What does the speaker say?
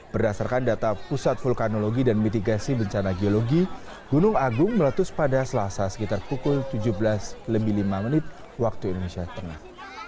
berdasarkan data pusat vulkanologi dan mitigasi bencana geologi gunung agung meletus pada selasa sekitar pukul tujuh belas lebih lima menit waktu indonesia tengah